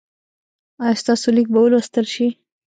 ایا ستاسو لیک به ولوستل شي؟